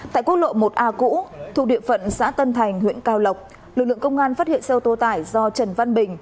tại quốc lộ một a cũ thuộc địa phận xã tân thành huyện cao lộc lực lượng công an phát hiện xe ô tô tải do trần văn bình